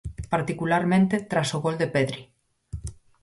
Particularmente tras o gol de Pedri.